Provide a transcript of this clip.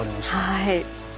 はい。